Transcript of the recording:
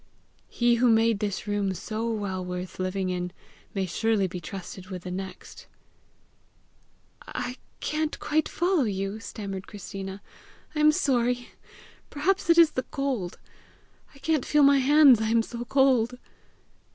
He who made this room so well worth living in, may surely be trusted with the next!" "I can't quite follow you," stammered Christina. "I am sorry. Perhaps it is the cold. I can't feel my hands, I am so cold."